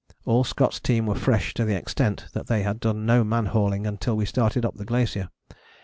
All Scott's team were fresh to the extent that they had done no man hauling until we started up the glacier.